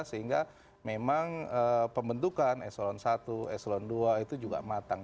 sehingga memang pembentukan esolon satu esolon dua itu juga matang